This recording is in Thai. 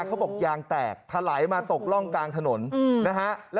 เขาบอกยางแตกถลายมาตกร่องกลางถนนนะฮะ